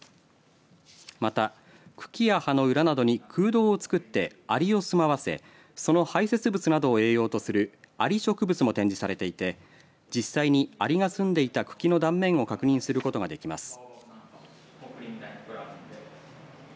また茎や葉の裏などに空洞を作ってアリを住まわせその排せつ物などを栄養とするアリ植物も展示されていて実際にアリが住んでいた茎の断面を確認することができます。